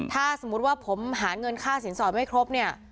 ถ้าสมมุติว่าผมหาเงินค่าสินสอดไม่ครบเนี่ย